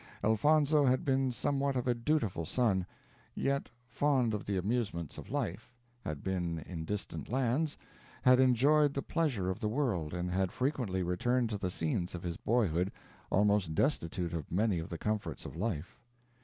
Elfonzo had been somewhat of a dutiful son; yet fond of the amusements of life had been in distant lands had enjoyed the pleasure of the world and had frequently returned to the scenes of his boyhood, almost destitute of many of the comforts of life.